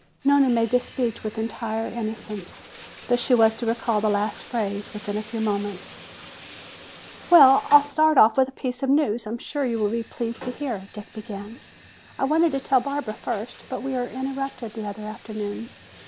Nona made this speech with entire innocence, but she was to recall the last phrase within a few moments. "Well, I'll start off with a piece of news I am sure you will be pleased to hear," Dick began. "I wanted to tell Barbara first, but we were interrupted the other afternoon.